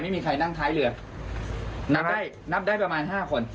ไม่มีใครนั่งท้ายเรือนับได้นับได้ประมาณห้าคน